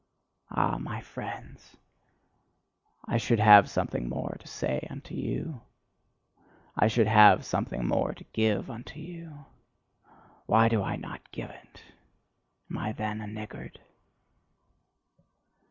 Ah, my friends! I should have something more to say unto you! I should have something more to give unto you! Why do I not give it? Am I then a niggard?